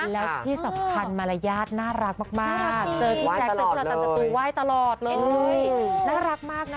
แล้วที่สำคัญมารยาทน่ารักมากเจอพี่แจ๊คเจอประจำสตูไหว้ตลอดเลยน่ารักมากนะ